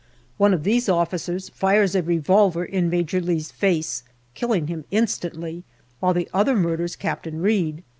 One of these officers fires a revolver in Major Lee's face, killing him instantly, while the other murders Captain Reid.